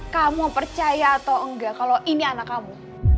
kamu percaya atau enggak kalau ini anak kamu